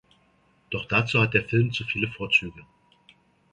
Doch dazu hat der Film zu viele Vorzüge.